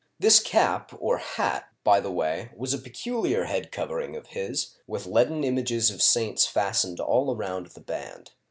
This cap or hat, by the way, was a peculiar head covering of his, with leaden images of saints fastened all around the band.